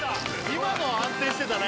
今のは安定してたね